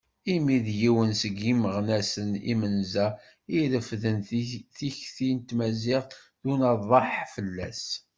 Imi d yiwen seg yimeɣnasen imenza i irefden tikti n tmaziɣt d unaḍaḥ fell-as.